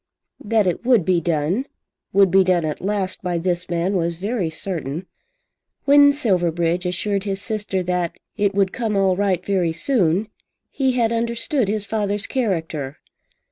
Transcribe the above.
That it would be done, would be done at last, by this man was very certain. When Silverbridge assured his sister that "it would come all right very soon," he had understood his father's character.